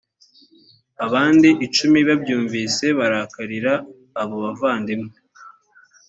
abandi icumi babyumvise barakarira abo bavandimwe